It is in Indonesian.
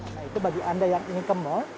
nah itu bagi anda yang ingin ke mal